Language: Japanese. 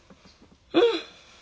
うん。